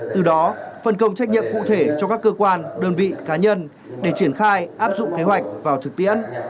từ đó phân công trách nhiệm cụ thể cho các cơ quan đơn vị cá nhân để triển khai áp dụng kế hoạch vào thực tiễn